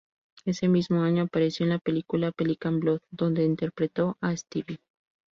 Ese mismo año apareció en la película "Pelican Blood" donde interpretó a Stevie.